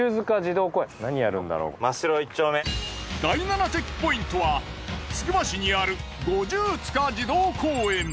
第７チェックポイントはつくば市にある五十塚児童公園。